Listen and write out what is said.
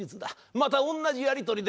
また同じやり取りで。